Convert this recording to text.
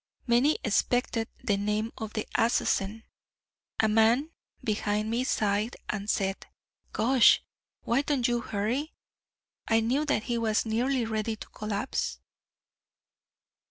Many expected the name of the assassin. A man behind me sighed and said: "Gosh! why don't you hurry?" I knew that he was nearly ready to collapse.